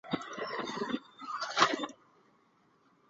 反切上字注声母。